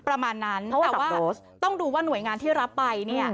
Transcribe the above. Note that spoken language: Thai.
ประมาณนั้นแต่ว่าต้องดูว่าหน่วยงานที่รับไปเนี่ย